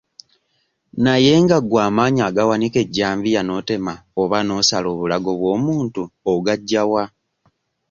Naye nga gwe amaanyi agawanika ejjambiya n'otema oba n'osala obulago bw'omuntu ogaggya wa?